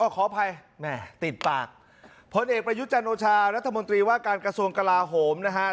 ขออภัยแม่ติดปากผลเอกประยุจันโอชารัฐมนตรีว่าการกระทรวงกลาโหมนะฮะ